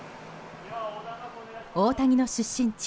大谷の出身地